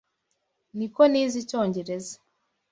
Niko nize Icyongereza.